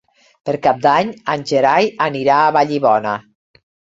Per Cap d'Any en Gerai anirà a Vallibona.